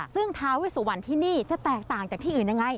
ซึ่งทาเวสุวรรณที่นี่จะแตกต่างจากที่อื่นยังไง